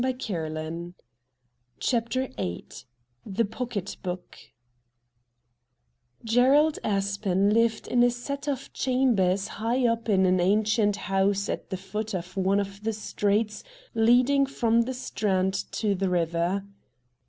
158 RED DIAMONDS CHAPTEE YIII THE POCKET BOOK Geeald Aspen lived in a set of chambers high up in an ancient house at the foot of one of the streets leading from the Strand to the river.